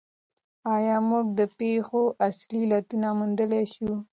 آیا موږ د پېښو اصلي علتونه موندلای شو؟